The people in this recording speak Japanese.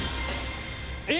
え！